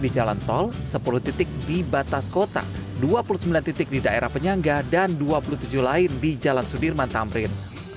di jalan tol sepuluh titik di batas kota dua puluh sembilan titik di daerah penyangga dan dua puluh tujuh lain di jalan sudirman tamrin